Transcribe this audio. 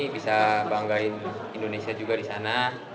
bisa banggain indonesia juga di sana